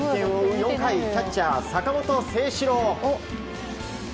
４回キャッチャー坂本誠志郎。